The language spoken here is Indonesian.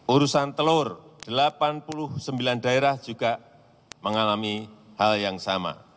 urusan telur delapan puluh sembilan daerah juga mengalami hal yang sama